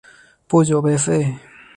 不久被废。